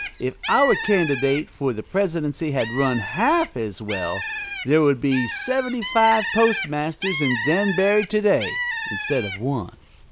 If our candidate for the Presidency had run one half as well, there would be seventy five postmasters in Danbury to day, instead of one.